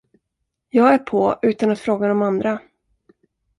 Jag är på, utan att fråga de andra!